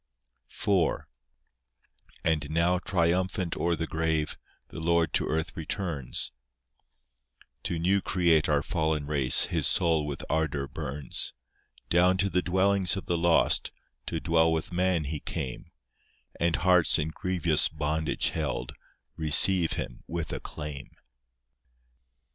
IV And now triumphant o'er the grave, The Lord to earth returns; To new create our fallen race, His soul with ardour burns; Down to the dwellings of the lost, To dwell with man He came; And hearts in grievous bondage held, Receive Him with acclaim.